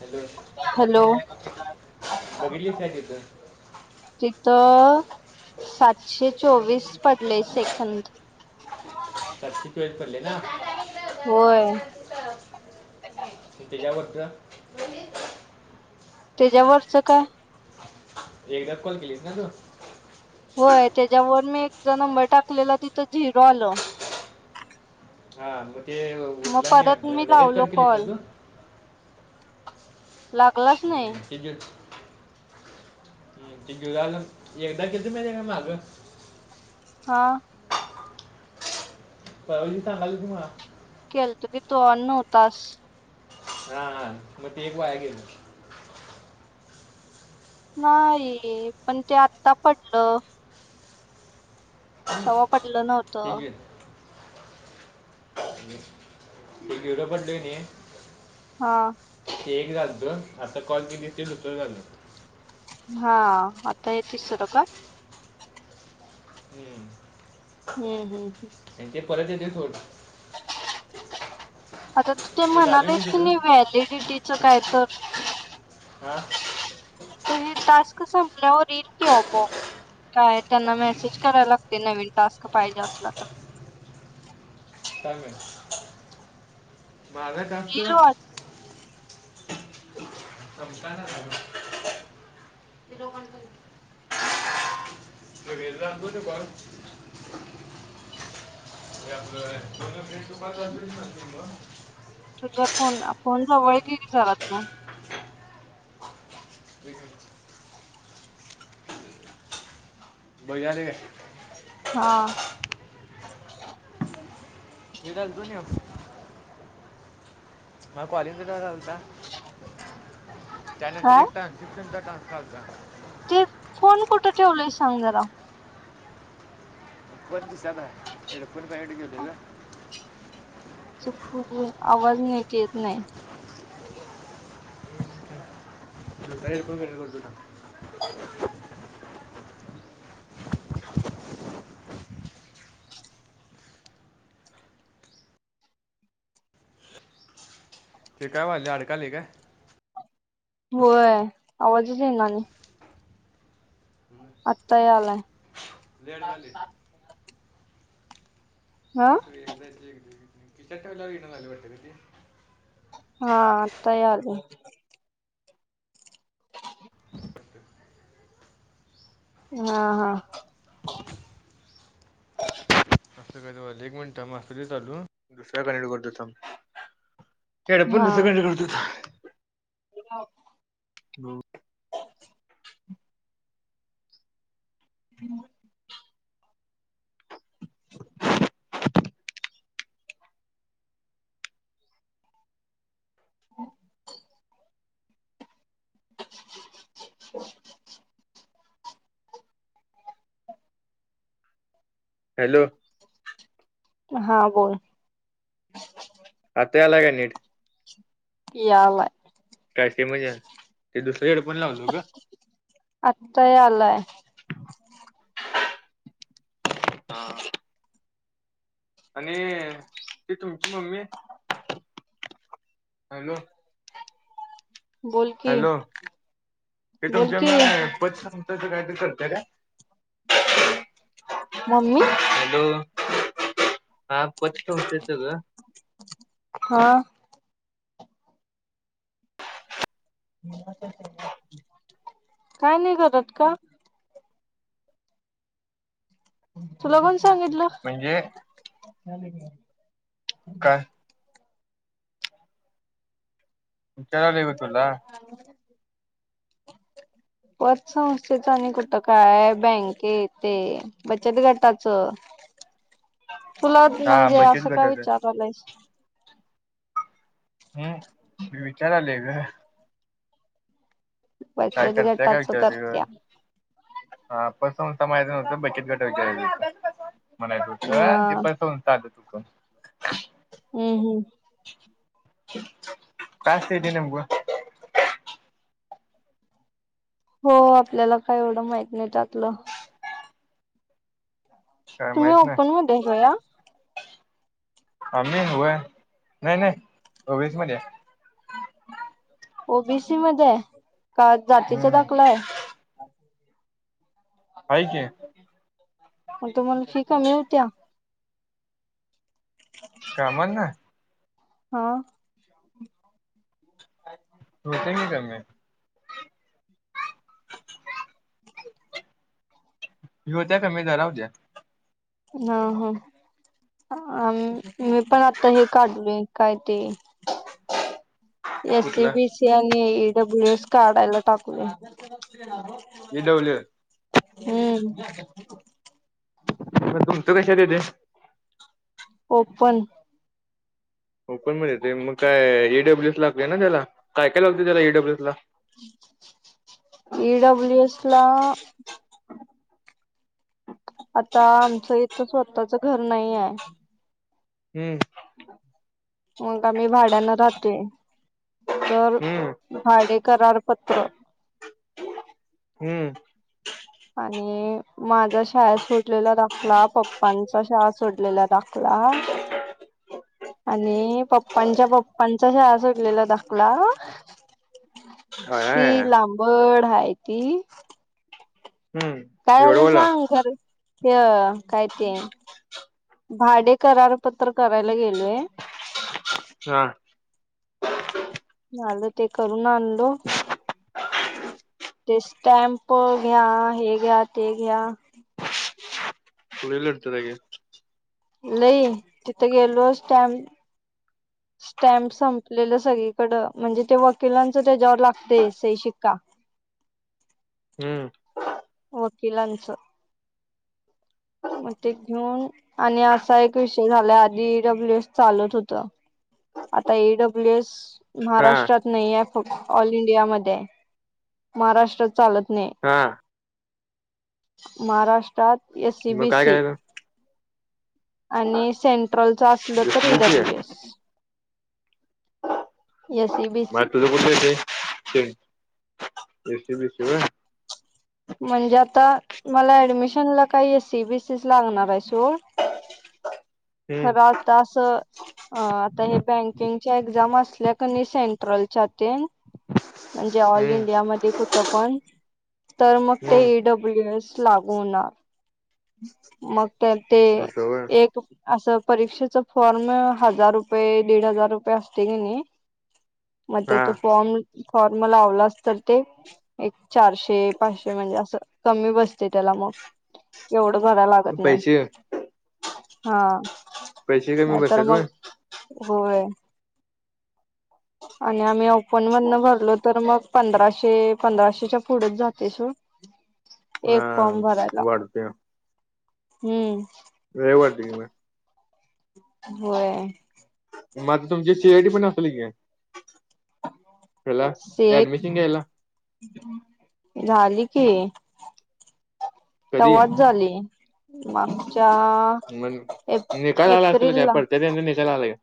Hello. Hello. बघितलीस काय तिथं तिथं सातशे चोवीस पडले सेखंद कची पज पडले ना. होय त्याच्याबद त्याच्यावरचं का? एकदा कॉल केलीस ना तू. होय त्याच्यावर मी एकदा नंबर टाकलेला तिथं झिरो आलं. हा म ते मग उठला नाही परत मी वाटतं लगेच लावलो कट केलीस का कॉल तू लागलाच नाही. तिजू ह तिजू लाल एककदा किध म दे का माग [inaudible] हा. परवायलीच सांगायलीच मला केलतं की तो नव्हतास. हा हा मग ते एक वया गे. नाही पण ते आत्ता पडलं. तवा पडलं हेज नव्हतं [inaudible] म घेवढ पडलय न. हा. ते एक झालत आता कॉल किती ते दुसरं झाल. हा आता येेतस तिसरं का? ह. हम्म हम् ह. आणि ते परत येते थोड अता ते म्हणालेच क नाही व्हॅलिडिटीच काय तर हा ते टास्क संपल्यावर इन केवा ब काय त्यांना मेसेज करायला लागते नवीन टास्क पाहिजे असला तर- माझं काम येईल कर [inaudible] वाट सता ते [unintelligible] क वेल लत बर [inaudible] एके म [unintelligible] तुझा फोन फोन जवळ घे की जरा तो वक बघले का हा हदल तुन मग कॉलेज रालता त्यानंतर काय एकटा किना टास्क ला [inaudible] ते फोन कुठे ठेवलंय सांग जरा? कोण दिसाता एढ कोण प एड घेऊ का. त आवाज नाही येत नाही. करेर कोण करेर करतो ना [inaudible] [unintelligible] ठी काय वा आलेल्या अडकाली का? होय आवाजच येणार नाही. आत्ता या आलाय देेड गली हा एक एकदा क ति चच्याम वला वडून नल पटे ते [inaudible] हाता आल आहे. हा हा असं काय एक मिनिट म चालू दुसऱ्या कनेक्ट करतो. तेड पण द सकंड करतो [inaudible] ह हो हम् हम [unintelligible] हॅलो हा बोल आता याला काय नीट क यालाय कायच म्हणजे ते दुसरी्याकडे पण लावलो ग आत्ता या आलंय हा आणि ती तुमची मम्मी हॅलो बोल की हॅलो क बोल तुमच्या म की प कायतरी करलते र मम्मी हॅलो हा पचत येत ग हा काय नाही करत का तुला कोण सांगितलं? म्हणजे. चालतंय की काय विचारलय तुला ह पतसंस्थेच आणि कुठं काय बँके तेे बचत गटाच तुला हा म्हणजे बचत असं का गटाच विचारला हम्म विचाराले काय बचत करतेय काय गटाच के करत्या हा पसमत माहित नव्हतं बकेत गटा विचारय म्हणाय अ होतं ते हम्म पसन चाल त पण हम्म हम्म का अस येतमग हो आपल्याला काय एवढं माहत नाही त्या आपलं काय तुम्ही माहित नाही ओपन मध्ये जाऊया ह मी होय नाही नाही स मध्ये ओबीसी मध्ये का जातीचा हम्म दाखला आहे आहे की मग तुम्हाला फीका मिळत्या ह कामा ना हा अच्छा होोते की त्याे होत्या का मी जरा होत्या हा हा आ मी पण आता हे काढवे काय ते कुठला एससीबीसी आणि ईडब्ल्यू एस काढायला टाकू दे डब्ल्यू हम्म तुमच कशात येते ओपन ओपन मध्ये य ते मग काय एईडब्ल्यूएस लागते ना त्याला काय काय लागते त्याला ईडब्ल्यूएस ला इईडब्ल्यु एस ला आता आमचं इथं स्वतःच घर नाही आहे हम्म मग आम्ही भाड्यान राहते तर हम्म भाडे करारपत्र हम्म आणि माझ्या शाळा सोडलेला दाखला पप्पांचा शाळा सोडलेला दाखला [unintelligible] आणि पप्पांच्या पप्पांचा शाळा सुटलेला दाखला आया आया शी लांबड आहेाय ती हम्म काय एवढं झालं बोला सांग खरं ह काय ते भाडे करारपत्र करायला गेलोय अच्छा झालं ते करून आणलो ते स्टॅम्प घ्या हे घ्या ते घ्या त एल्तरे लई तथ गेलो टम स्टॅम्प संपलेलं सगळीकडं म्हणजे ते वकिलांच त्याच्यावर लागते स शिक्का हम्म ओकिलानच मग ते घेऊन आणि असा एक विषय झाला आधी ईडब्ल्यू एस चालत होत आता एडब्ल्यू एस हा महाराष्ट्रात नाही आहे ऑल इंडिया मध्ये महाराष्ट्रात चालत नाही हां महाराष्ट्रात मग काय एसईबीसी करायचं आणि सेंट्रलचं असलं तर एसबीसी ईडब्ल्यू आहे एस एसी बीसी बठे बसी बेसी व म्हणजे आता मला ऍडमिशन ला काही एससी बीसी लागणार आहे सोड हम्म खरां होता असं अ आता हे बँकिंगच्या एक्झाम असल्या क नाही सेंट्रलच्या ते म्हणजे ऑल हम्म इंडिया म खूप पण तर मग ते हम्म ईडब्ल्यू एस लागू होणार मग तर ते असं होय एक असं परीक्षेच फॉर्म हजार रुपये दीड हजार रुपये असते की नाही मग ते हा तो फॉर्म फॉर्म लावलास तर ते एक चारशे पाचशे म्हणजे असं कमी बसते त्याला मग एवढं घरा लागत नाही पैसे हा पैसे कमी नाही तर बसतात होय मग होय आणि आम्ही ओपन मधन भरलो तर मग पंधराशे पंधराशेच्या पुढेच जातेस हा एक फॉर्म भरायला वाढते हम्म रेवटी म होय मझ तुमची सी आयडी पण असली की ह्याला शे ऍडमिशन घ्यायला झाली की कधी तवच झाली आमचा मग निकाल आला असल परत निकाल आलाय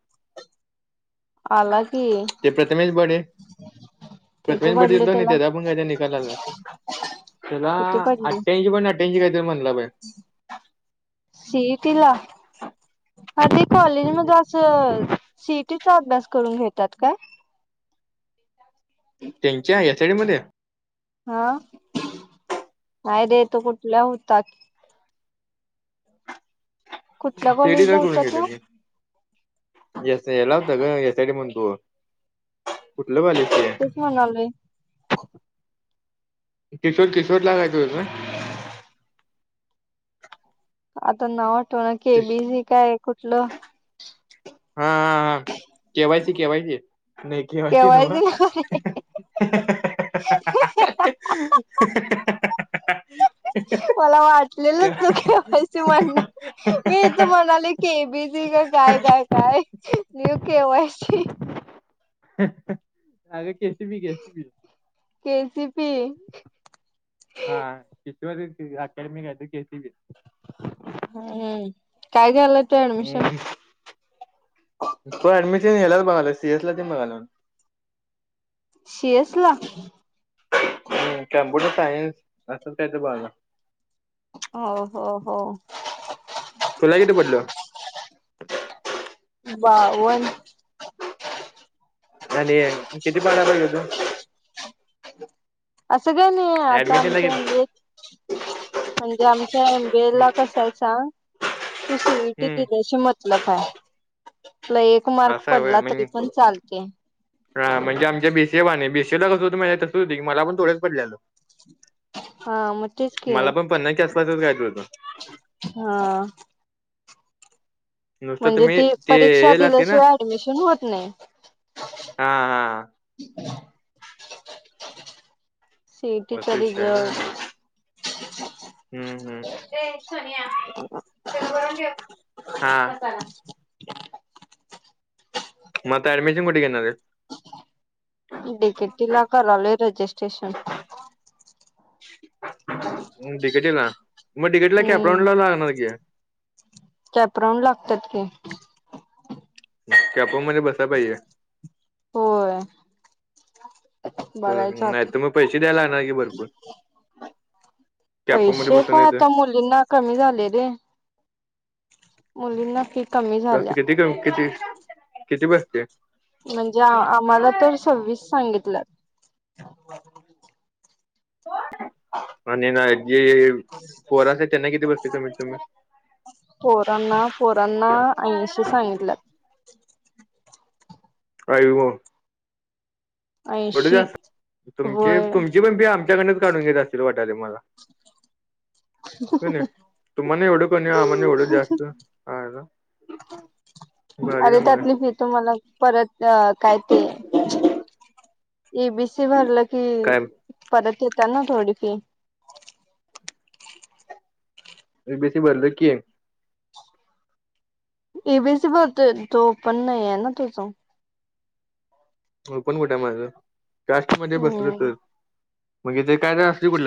आला की ते प्रथमेश बडे प्रथमेश बलं ना त्याच्या पण कायच्या निकाल आला त्याला किती अठ्ठ्याऐंशी पण अठ्याऐंशी काहीतरी म्हणलं पा सीईटला ह ते कॉलेज मध्ये असं सिटीचा अभ्यास करून घेतात का त्यांच्या एसआय डी मध्ये हा नाही रेतो कुठल्या होतात कुठल्या तेडी तर कॉलेजला करून होता घेत तो मी येस याला होत ग एसय म्हण तू कुठलं बलेस तेस म्हणालय किशोर किशोर लागाय तोजून आता ना वाटतव ना की एबीसी काय कुठलं हा हा हा केवायची केवायची नाही केवायचे नवा केवायसी [unintelligible] ह मला वाटलेलं तू पैसे म्हणणार मी इथ म्हणाल क बिझी का काय काय काय न्यू केवयची अग कस बी कस बी केसपी हा किती अकॅडमीक आहे केती वि हम्म काय झालंय तू ऍडमिशन तो ऍडमिशन येलाच बघाला सीएस ला ते बघालाून शेष ला कम्प्युटर सायन्स असंच काय तर बघण हो हो हो तुला किती पडलं वावन आणि किती पाडाला गे तू असं काय नाही आता ऍडमिशन ला आमच्या किती म्हणजे आमच्या एमबीए ला कस आहे सांग तू सीईटी हम्म दिली म लं पाय तला एक मार्क असं आहे होय पडला तरी मग पण चालते हा म्हजेम बीसेवाणे बीिसेला कस होत माझ्या तसं होत की मला पण थोडेच पडलेलं हा मजकीे मला पण पन्नासच्या आसपासच घ्यायचं होतं. हा नुसतं तर म्हणजे मी ती ते परीक्षा लागते ना दिल्याशिवाय ऍडमिशन होत नाही. हा हा सीईटीचा वतष ना रिझल्ट हम् हम् ते करून घेला म अडमिशन कठणार टडिकेट टिला कराल रेजिस्ट्रेशन तिकेटीला मग तिकेटला हम्म कॅपरान ला लागणार की कॅपराऊड लागतात की त्याॅपोर मध्ये बसा पाहिजे होय बघायचं नाही आता तर मग पैसे द्यायलाणार की भरपूर कॅपराऊंड मध्ये पैसे बसून काय येतं. आता मुलींना कमी झाले रे मुलींना फी कमी जास्त झाल्या किती किती किती बजते म्हणजे आम्हाला तर सव्वीस सांगितलं आणि ना जे पोर असते त्यांना किती बसते त म तुम्ही पोरांना पोरांना ऐंशी सांगितल्या आ म म्हडू ऐंशी तुमचे होय तुमची पण पी आमच्याकडच काढून घेत असतील वाटाले मला हो तुमने डकणे आ मने डू जास्त ह भारी अरे काम आहे त्यातली फी तुम्हाला परत अ काय ते बी अस भरलं की काय परत येतात ना थोडीफी ए बी सि भरलं कि एक एबीसी भरतंय ते दो ओपन आहे ना तुझो हो पण कुठे माझ जास्त म्हणजे बसलं हम्म तर म्हगे ते काय असते कुठल्या